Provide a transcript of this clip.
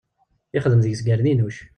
Ixdem deg-s gerninuc.